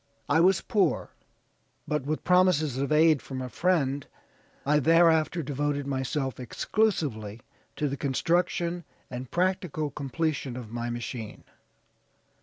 I was poor, but with promises of aid from a friend, I thereafter devoted myself exclusively to the construction and practical completion of my machine.